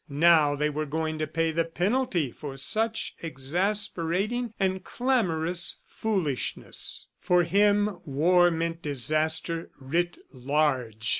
... Now they were going to pay the penalty for such exasperating and clamorous foolishness. For him war meant disaster writ large.